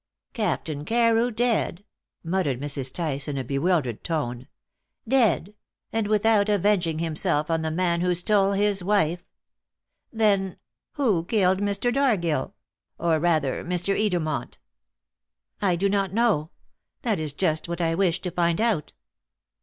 "Captain Carew dead!" muttered Mrs. Tice in a bewildered tone; "dead and without avenging himself on the man who stole his wife! Then, who killed Mr. Dargill or rather, Mr. Edermont?" "I do not know. That is just what I wish to find out."